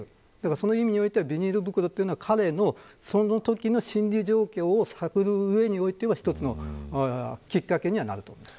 その意味ではビニール袋というのは彼のそのときの心理状況を探る上では一つのきっかけになると思います。